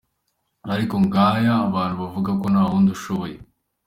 Ariko ngaya abantu bavuga ngo ntawundi ushoboye!